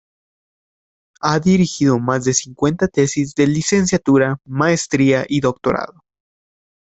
Ha dirigido más de cincuenta tesis de licenciatura, maestría y doctorado.